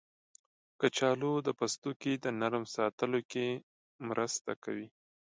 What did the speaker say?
کچالو د پوستکي د نرم ساتلو کې مرسته کوي.